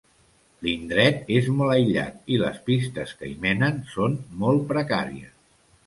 L'indret és molt aïllat i les pistes que hi menen són molt precàries.